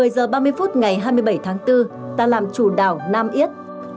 một mươi giờ ba mươi phút ngày hai mươi bảy tháng bốn ta làm chủ đảo nam yết